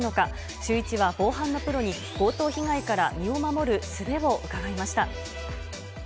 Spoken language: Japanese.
シューイチは防犯のプロに、強盗被害から身を守るすべを伺いました。